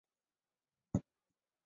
以上皆为以上皆为